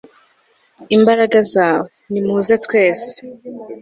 imbaraga zawe; nimuze twese